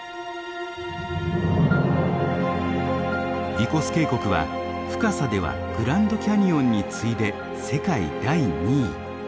ヴィコス渓谷は深さではグランドキャニオンに次いで世界第２位。